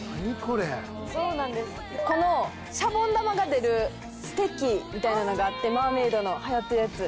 このシャボン玉が出るステッキみたいなのがあってマーメイドの流行ってるやつ。